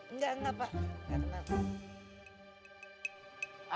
enggak enggak pak enggak kenal